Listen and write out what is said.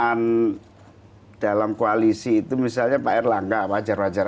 yang paling penting adalah kebersamaan dalam koalisi itu misalnya pak erlangga wajar wajar